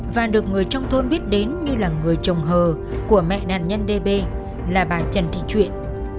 và được người trong thôn biết đến như là người chồng hờ của mẹ nạn nhân đê bê là bà trần thị chuyện